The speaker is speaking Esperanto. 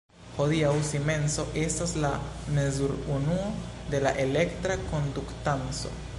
Hodiaŭ simenso estas la mezur-unuo de elektra konduktanco.